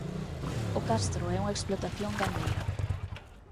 O castro é unha explotación gandeira.